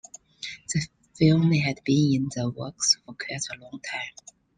The film had been in the works for quite a long time.